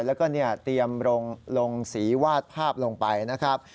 แล้วก็เตรียมลงสีวาดภาพลงไปนะครับ